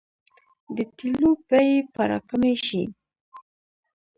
د تیلو بیې به راکمې شي؟